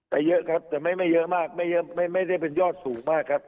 แต่เยอะครับแต่ไม่ไม่เยอะมากไม่เยอะไม่ไม่ได้เป็นยอดสูงมากครับ